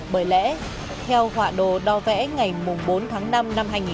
bởi lẽ theo họa đồ đo vẽ ngày bốn tháng năm năm hai nghìn một mươi bốn